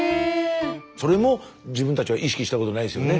それも自分たちは意識したことないですよね。